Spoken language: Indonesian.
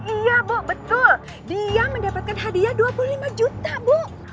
iya bu betul dia mendapatkan hadiah dua puluh lima juta bu